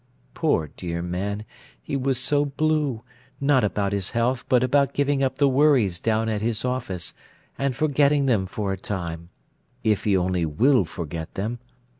Poor dear man, he was so blue, not about his health but about giving up the worries down at his office and forgetting them for a time—if he only will forget them!